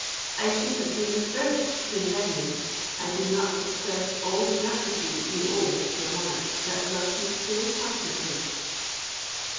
I should have been the first to condemn you, had you not expressed all the gratitude you owe to a monarch. that loves you so passionately."